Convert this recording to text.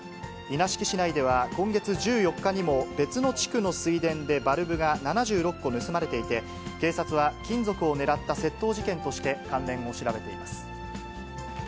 稲敷市内では、今月１４日にも別の地区の水田でバルブが７６個盗まれていて、警察は金属を狙った窃盗事件として関連を調べています。